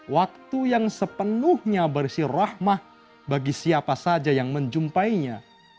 waktu yang sepenuhnya berisi rahmah bagi siapa saja yang menjumpainya